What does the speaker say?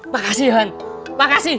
makasih han makasih